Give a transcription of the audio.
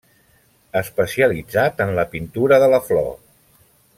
Especialitzat en la pintura de la flor.